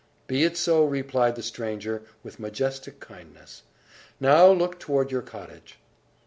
"Be it so!" replied the stranger, with majestic kindness, "Now, look toward your cottage!"